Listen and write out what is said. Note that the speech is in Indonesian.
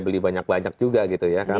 beli banyak banyak juga gitu ya